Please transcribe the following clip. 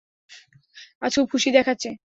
আজ খুব খুশি দেখাচ্ছে।